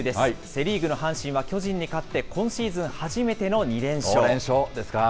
セ・リーグの阪神は巨人に勝って、今シーズン初めての２連勝です。